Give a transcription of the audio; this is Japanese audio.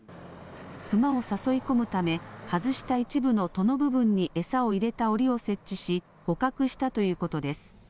クマを誘い込むため、外した一部の戸の部分に餌を入れたおりを設置し、捕獲したということです。